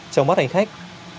trong mắt hành khách